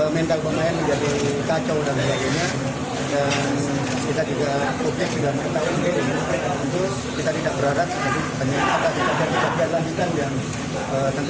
kita juga banyakkan protes